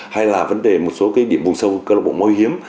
hay là vấn đề một số cái điểm vùng sâu câu lạc bộ môi hiếm